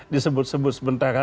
disebut sebut sebentar saja